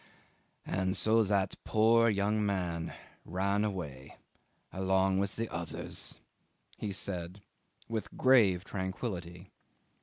"And so that poor young man ran away along with the others," he said, with grave tranquillity.